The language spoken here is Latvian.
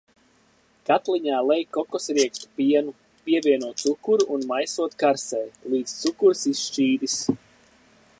Katliņā lej kokosriekstu pienu, pievieno cukuru un maisot karsē, līdz cukurs izšķīdis.